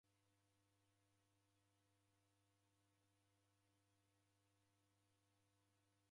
Matunda na mbogha ni suti kwa mmbi